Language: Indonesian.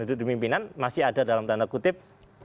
duduk di pimpinan masih ada dalam tanda kutip